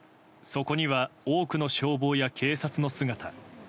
そこには多くの消防や警察の姿。